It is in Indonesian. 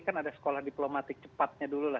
kan ada sekolah diplomatik cepatnya dulu lah